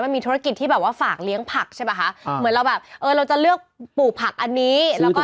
อ่าถูกต้องเลี้ยงหลายตัวนะ